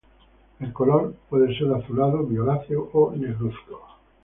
El color puede ser azulado, violáceo o negruzco.